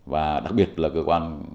và đặc biệt là cơ quan